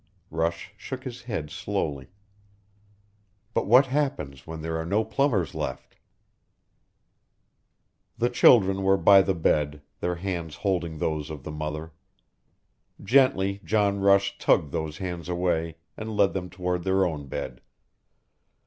Rush shook his head slowly. "But what happens when there are no plumbers left?" The children were by the bed, their hands holding those of the mother. Gently John Rush tugged those hands away and led them toward their own bed.